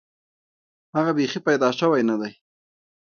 هغه بیخي پیدا شوی نه دی.